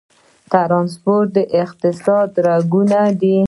ټرانسپورټ د اقتصاد رګونه دي